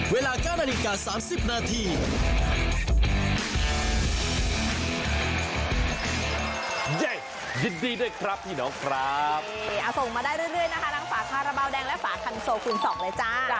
เวลา๙นาฬิกา๓๐นาที